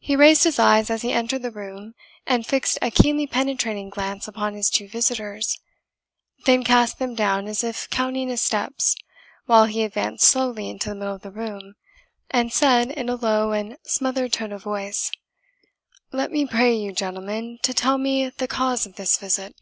He raised his eyes as he entered the room, and fixed a keenly penetrating glance upon his two visitors; then cast them down as if counting his steps, while he advanced slowly into the middle of the room, and said, in a low and smothered tone of voice, "Let me pray you, gentlemen, to tell me the cause of this visit."